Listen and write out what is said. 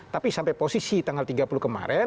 tapi sampai posisi tanggal tiga puluh kemarin